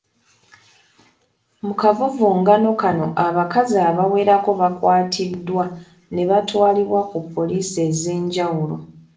Mukavuvungano kano abakazi abawerako bakwatiddwa ne batwalibwa ku poliisi ez'enjawulo.